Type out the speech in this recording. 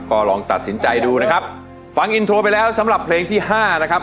ก็ลองตัดสินใจดูนะครับฟังอินโทรไปแล้วสำหรับเพลงที่ห้านะครับ